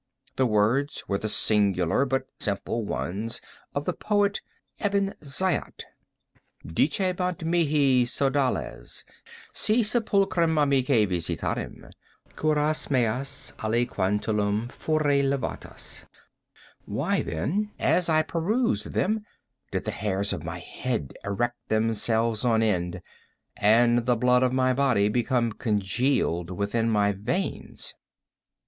The words were the singular but simple ones of the poet Ebn Zaiat:—"Dicebant mihi sodales si sepulchrum amicae visitarem, curas meas aliquantulum fore levatas." Why then, as I perused them, did the hairs of my head erect themselves on end, and the blood of my body become congealed within my veins?